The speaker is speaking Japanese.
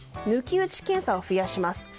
抜き打ち検査を増やします。